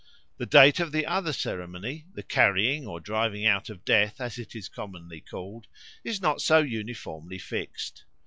The date of the other ceremony the Carrying or Driving out of Death, as it is commonly called is not so uniformly fixed.